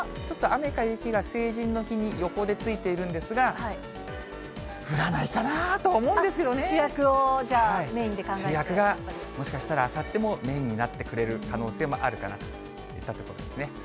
ちょっと雨か雪が、成人の日に予報でついているんですが、降らないかなとは思うんですけど主役をじゃあ、メインで考え主役がもしかしたらあさってもメインになってくれる可能性もあるかなといったところですね。